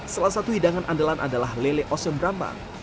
salah satu hidangan andalan adalah lele osem brambang